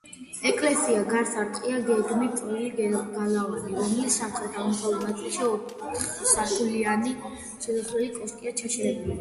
ეკლესიას გარს არტყია გეგმით წვრილი გალავანი, რომლის სამხრეთ-აღმოსავლეთ ნაწილში ოთხსართულიანი შესასვლელი კოშკია ჩაშენებული.